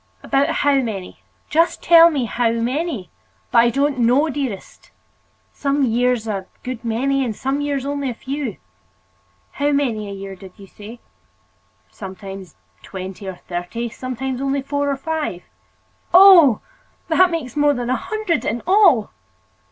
"About how many? Just tell me about how many." "But I don't know, dearest. Some years a good many, and some years only a few." "How many a year, did you say?" "Sometimes twenty or thirty, sometimes only four or five." "Oh! that makes more than a hundred in all!"